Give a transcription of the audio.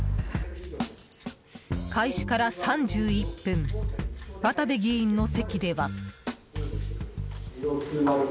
開始から３１分渡部議員の席では。